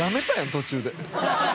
途中で。